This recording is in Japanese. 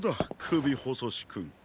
くびほそしくん。